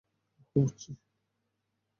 ওহ, বুঝছি।